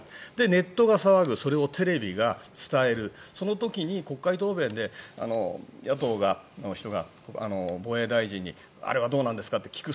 ネットが騒ぐそれをテレビが伝えるその時に国会答弁で野党の人が防衛大臣にあれはどうなんですかって聞く。